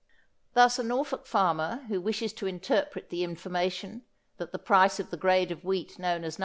Thus a Norfolk farmer who wishes to interpret the information that the price of the grade of wheat known as No.